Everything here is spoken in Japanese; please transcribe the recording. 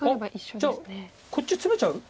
じゃあこっちツメちゃう？